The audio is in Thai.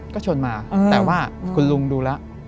ก็ชนมาแต่ว่าคุณลุงดูแล้ว